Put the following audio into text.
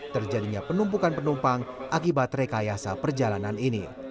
terjadinya penumpukan penumpang akibat rekayasa perjalanan ini